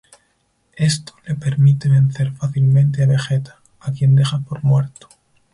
Esto le permite vencer fácilmente a Vegeta, a quien deja por muerto.